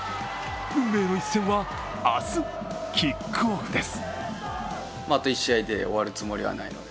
運命の一戦は、明日、キックオフです。